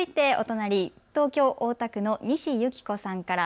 続いてお隣、東京大田区の西由紀子さんから。